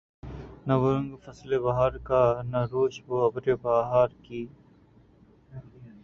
نہ وہ رنگ فصل بہار کا نہ روش وہ ابر بہار کی